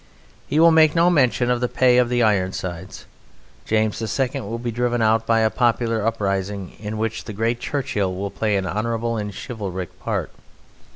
He will make no mention of the pay of the Ironsides. James II will be driven out by a popular uprising, in which the great Churchill will play an honourable and chivalric part.